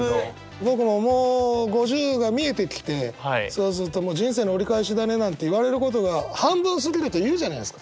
僕ももう５０が見えてきてそうすると「人生の折り返しだね」なんて言われることが半分過ぎると言うじゃないですか。